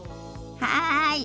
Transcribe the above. はい！